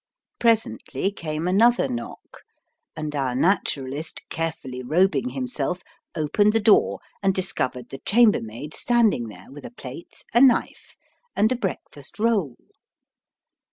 Presently came another knock, and our Naturalist, carefully robing himself, opened the door, and discovered the chambermaid standing there with a plate, a knife, and a breakfast roll.